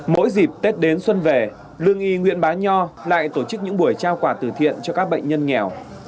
mỗi dịp tết đến xuân về lương y nguyễn bá nho lại tổ chức những buổi trao quà tử thiện cho các bệnh nhân nghèo